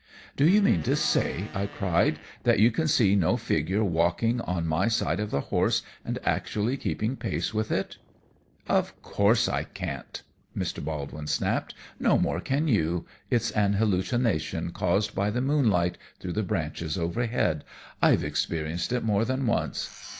"Do you mean to say," I cried, "that you can see no figure walking on my side of the horse and actually keeping pace with it?" "Of course I can't," Mr. Baldwin snapped. "No more can you. It's an hallucination caused by the moonlight through the branches overhead. I've experienced it more than once."